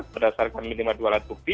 berdasarkan minimal dua alat bukti